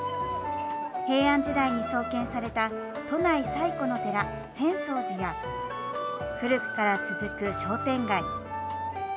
平安時代に創建された都内最古の寺、浅草寺や古くから続く商店街